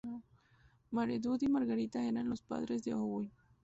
Maredudd y Margarita eran los padres de Owen.